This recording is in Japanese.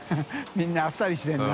みんなあっさりしてるな。